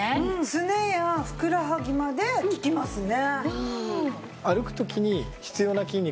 すねやふくらはぎまで効きますね。